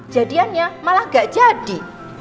jadiannya malah gak jadi